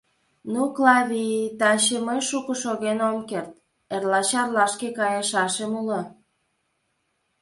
Ну, Клавий, таче мый шуко шоген ом керт: эрла Чарлашке кайышашем уло.